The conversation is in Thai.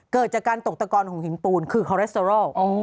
เกิดจากการตกตะกอนของหินปูนคือคอเรสเตอรอล